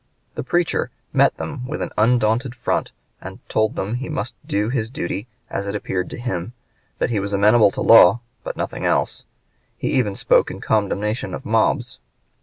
The preacher met them with an undaunted front and told them he must do his duty as it appeared to him; that he was amenable to law, but nothing else; he even spoke in condemnation of mobs.